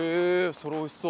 それ美味しそう。